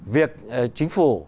việc chính phủ